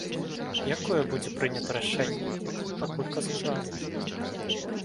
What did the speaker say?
Якое будзе прынята рашэнне, пакуль казаць рана.